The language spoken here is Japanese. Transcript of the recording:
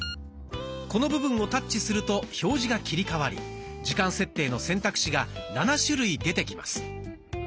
この部分をタッチすると表示が切り替わり時間設定の選択肢が７種類出てきます。